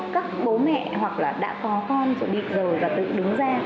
các bố mẹ hoặc là đã có con rồi đi rồi và tự đứng ra